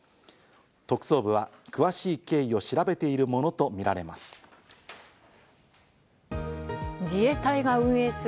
特捜部は詳しい経緯を調べているものとみられます。